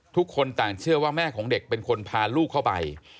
ทุกคนต่างเชื่อว่าแม่ของเด็กเป็นคนพาลูกเข้าไป